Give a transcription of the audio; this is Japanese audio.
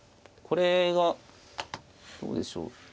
これがどうでしょう